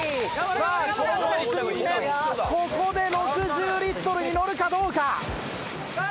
さあこの６人目で６０リットルに乗るかどうか。